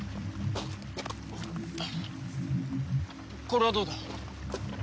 これはどうだ？